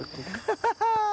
ハハハ。